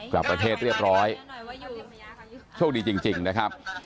กลับประเทศเรียบร้อยโชคดีจริงนะครับ